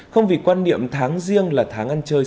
không vì quan niệm tháng riêng là tháng riêng là tháng riêng